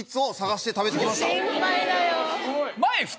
心配だよ。